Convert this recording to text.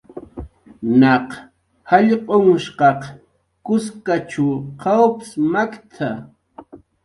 "Naq jallq'unhshqaq kuskchaw qawps makt""a"